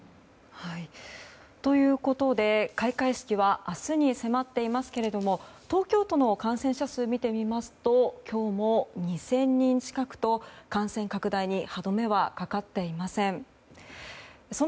ということで開会式は明日に迫っていますが東京都の感染者数を見てみますと今日も２０００人近くと感染拡大に歯止めはかかっていません。